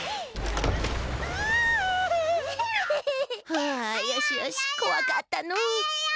およしよしこわかったのう。